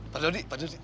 pak dodi pak dodi